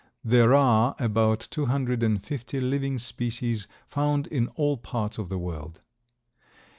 There are about two hundred and fifty living species, found in all parts of the world.